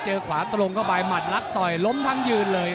ขวาตรงเข้าไปหมัดรักต่อยล้มทั้งยืนเลย